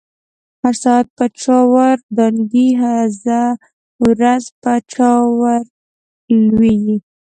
هر ساعت په چاور دانګی، هزه ورځ په چا ور لويږی